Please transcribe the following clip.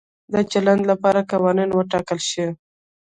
د چلند لپاره قوانین وټاکل شي.